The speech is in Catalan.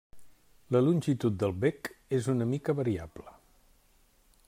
La longitud del bec és una mica variable.